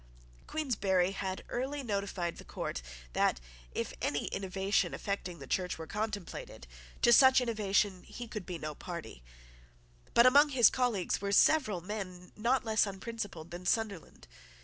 Queensberry had early notified to the court that, if any innovation affecting that Church were contemplated, to such innovation he could be no party. But among his colleagues were several men not less unprincipled than Sunderland.